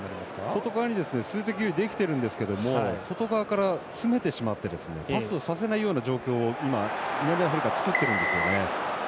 外側に数的優位できてるんですけど外側から詰めてしまってパスをさせないような状況を南アフリカ作ってるんですよね。